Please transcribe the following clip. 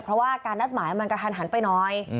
เพราะว่าการนัดหมายมันกระทันหันไปหน่อย